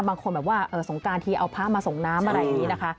บางคนแบบว่าสงการทีเอาพระมาส่งน้ำอะไรอย่างนี้นะคะ